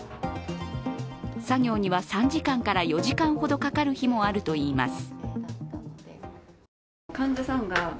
作業には３時間から４時間ほどかかる日もあるといいます。